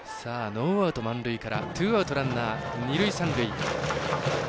ノーアウト、満塁からツーアウト、ランナー、二塁三塁。